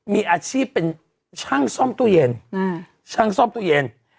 มีอาชีพเป็นช่างซ่อมตู้เย็นช่างซ่อมตู้เย็น